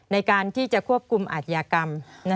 ในการที่จะควบคุมอาธิกรรม